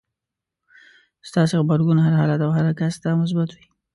ستاسې غبرګون هر حالت او هر کس ته مثبت وي.